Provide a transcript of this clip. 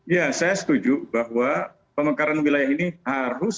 ya saya setuju bahwa pemekaran wilayah ini harus